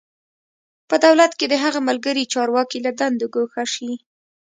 په دولت کې د هغه ملګري چارواکي له دندو ګوښه شي.